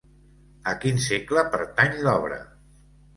A quin segle pertany l'obra?